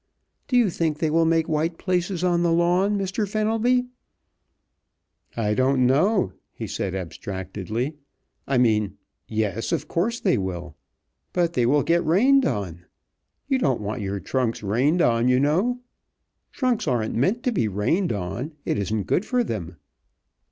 Do you think they will make white places on the lawn, Mr. Fenelby?" "I don't know," he said, abstractedly. "I mean, yes, of course they will. But they will get rained on. You don't want your trunks rained on, you know. Trunks aren't meant to be rained on. It isn't good for them."